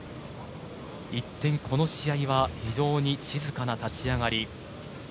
一転、この試合は非常に静かな立ち上がり。